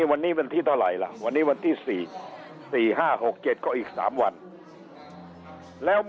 วันนี้วันที่เต่าไหร่ละ